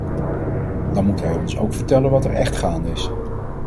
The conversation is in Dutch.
Dan moet hij ons ook vertellen wat er echt gaande is.